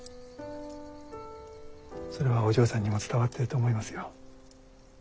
それはお嬢さんにも伝わってると思いますよ。